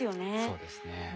そうですね。